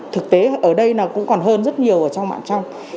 thực tế ở đây nó cũng còn hơn rất nhiều ở trong mạng trong